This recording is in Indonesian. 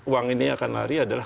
uang ini akan lari adalah